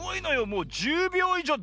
もう１０びょういじょう